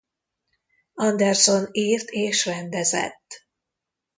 Anderson írt és rendezett.